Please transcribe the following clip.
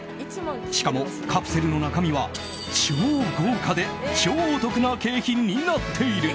しかも、カプセルの中身は超豪華で超お得な景品になっている。